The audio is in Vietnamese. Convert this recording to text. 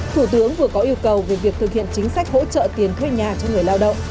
thủ tướng vừa có yêu cầu về việc thực hiện chính sách hỗ trợ tiền thuê nhà cho người lao động